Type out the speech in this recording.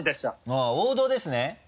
あぁ王道ですね？